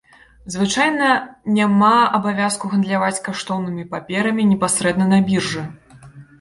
Звычайна, няма абавязку гандляваць каштоўнымі паперамі непасрэдна на біржы.